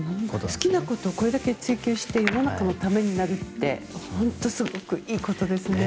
好きなことをこれだけ追求して世の中のためになるって本当にすごくいいことですね。